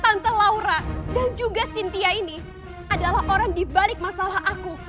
tante laura dan juga cynthia ini adalah orang dibalik masalah aku